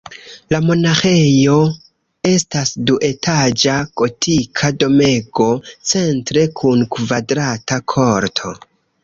La monaĥejo estas duetaĝa gotika domego, centre kun kvadrata korto.